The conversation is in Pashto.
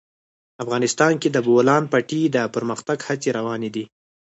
افغانستان کې د د بولان پټي د پرمختګ هڅې روانې دي.